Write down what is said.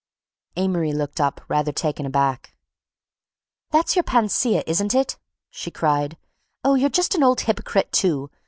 Amory looked up, rather taken aback. "That's your panacea, isn't it?" she cried. "Oh, you're just an old hypocrite, too.